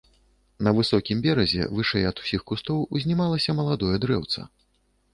На высокім беразе вышэй ад усіх кустоў узнімалася маладое дрэўца.